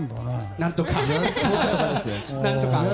何とか。